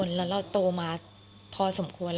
แล้วเราโตมาพอสมควร